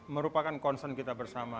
merupakan concern kita bersama